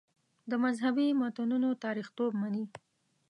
د مذهبي متنونو تاریخیتوب مني.